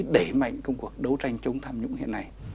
đẩy mạnh công cuộc đấu tranh chống tham nhũng hiện nay